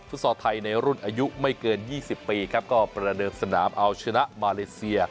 ฟุตซอร์ไทยในรุ่นอายุไม่เกิน๒๐ปีก็ไประดงสนามอัลชนัดมาเลเซีย